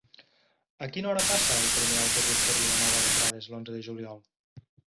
A quina hora passa el primer autobús per Vilanova de Prades l'onze de juliol?